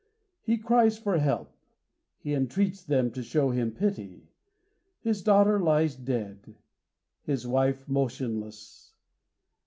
He cries for help; he entreats them to show him pity. His daughter lies dead; his wife motionless.